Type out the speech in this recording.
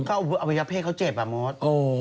ก็เอาไว้จะเผ่นเขาเจ็บอ่ะโมต